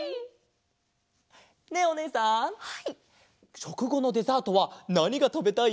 しょくごのデザートはなにがたべたい？